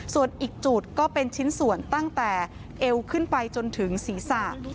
ส่วนอีกจุดก็เป็นชิ้นส่วนตั้งแต่เอวขึ้นไปจนถึงศีรษะ